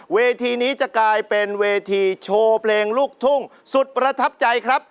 เวทีนี้จะกลายเป็นเวทีโชว์เพลงลูกทุ่งสุดประทับใจครับ